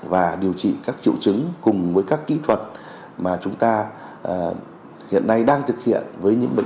và điều trị các triệu chứng cùng với các kỹ thuật mà chúng ta hiện nay đang thực hiện với những bệnh